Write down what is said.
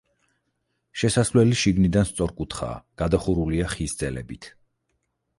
შესასვლელი შიგნიდან სწორკუთხაა, გადახურულია ხის ძელებით.